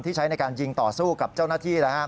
ใช้ในการยิงต่อสู้กับเจ้าหน้าที่